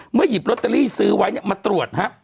เมื่อหยิบโรเตอรี่ซื้อไว้เนี่ยมาตรวจ